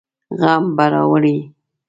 غم به راوړي.